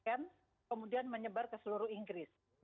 kemudian menyebar ke seluruh inggris